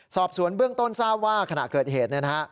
สอบสวนเบื้องต้นทราบว่าขณะเกิดเหตุ